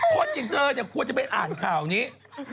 คนอย่างเธอเนี่ยควรจะไปอ่านข่าวนี้